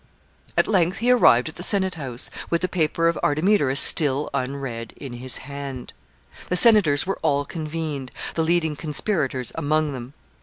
] At length he arrived at the senate house, with the paper of Artemidorus still unread in his hand. The senators were all convened, the leading conspirators among them.